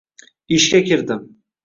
ishga kirdim.